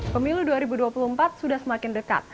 pemilu dua ribu dua puluh empat sudah semakin dekat